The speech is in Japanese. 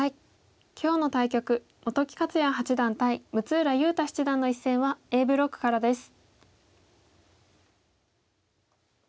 今日の対局本木克弥八段対六浦雄太七段の一戦はＡブロックからです。